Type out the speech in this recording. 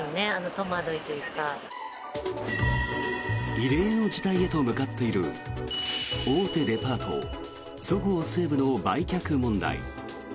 異例の事態へと向かっている大手デパート、そごう・西武の売却問題。